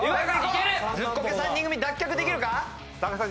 ズッコケ３人組脱却できるか⁉木さん